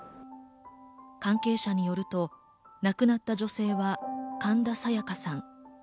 関係者によると、亡くなった女性は神田沙也加さん。